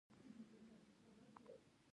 کله چې موږ